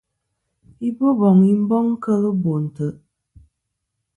I Boboŋ i boŋ kel kemɨ bò ntè'.